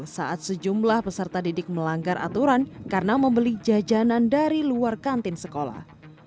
saat sejumlah peserta didik melanggar aturan karena membeli jajanan dari luar kantin sekolah